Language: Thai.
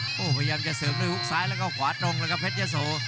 โอ้เฮ้พยายามจะเสริมด้วยลูกซ้ายและกับหว่าตรงครับเพชรโศ